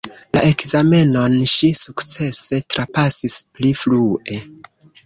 La ekzamenon ŝi sukcese trapasis pli frue.